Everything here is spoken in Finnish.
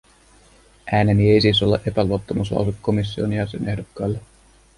Ääneni ei siis ole epäluottamuslause komission jäsenehdokkaille.